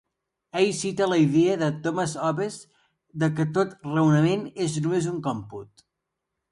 Ell cita la idea de Thomas Hobbes de que tot raonament és només un còmput.